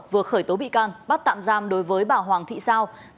vừa khởi tố bị can bắt tạm giam đối với bà hoàng thị sao